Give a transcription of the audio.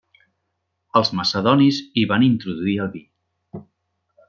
Els macedonis hi van introduir el vi.